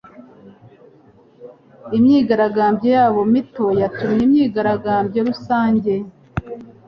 Imyigaragambyo yabo mito yatumye imyigaragambyo rusange